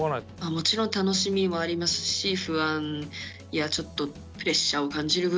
もちろん楽しみもありますし不安やちょっとプレッシャーを感じる部分もあります。